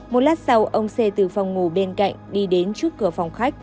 một lát sau ông xê từ phòng ngủ bên cạnh đi đến trước cửa phòng khách